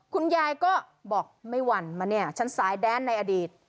คุณยายก็บอกไม่หวั่นมาเนี่ยชั้นซ้ายแดนในอดีต